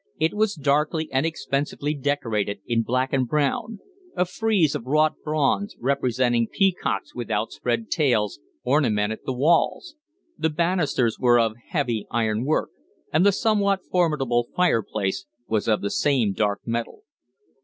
It was darkly and expensively decorated in black and brown; a frieze of wrought bronze, representing peacocks with outspread tails, ornamented the walls; the banisters were of heavy iron work, and the somewhat formidable fireplace was of the same dark metal.